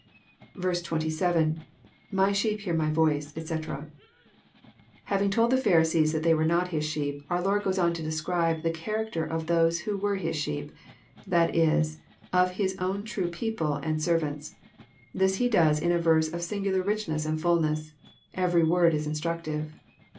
f7.— [3fy sheep hear my voice, etc.'] Having told the Pharisees that they were not His sheep, our Lord goes on to describe the char« acter of those who were His sheep; that is, of H*9 own true people and servants. This He does in a verse of singular rich ness and ftdness. Every word is instructive.